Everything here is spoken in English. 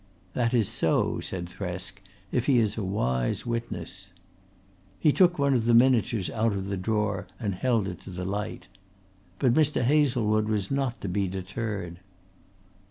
"That is so," said Thresk, "if he is a wise witness." He took one of the miniatures out of the drawer and held it to the light. But Mr. Hazlewood was not to be deterred.